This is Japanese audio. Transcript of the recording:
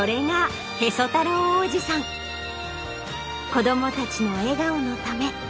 子どもたちの笑顔のため。